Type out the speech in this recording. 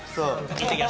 いってきます」。